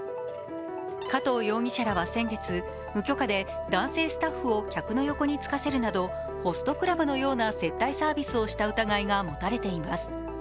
加藤容疑者らは先月、無許可で男性スタッフを客の横につかせるなど、ホストクラブのような接待サービスをした疑いが持たれています。